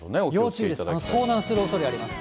要注意、遭難するおそれがあります。